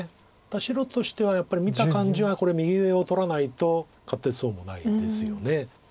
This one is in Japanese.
白としてはやっぱり見た感じはこれ右上を取らないと勝てそうもないですよね。